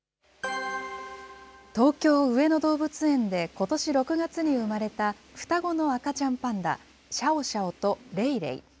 東京・上野動物園でことし６月に産まれた双子の赤ちゃんパンダ、シャオシャオとレイレイ。